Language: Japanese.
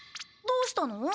どうしたの？